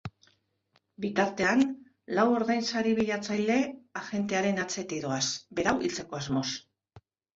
Bitartean, lau ordainsari bilatzaile, agentearen atzetik doaz, berau hiltzeko asmoz.